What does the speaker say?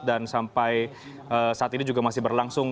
dan sampai saat ini juga masih berlangsung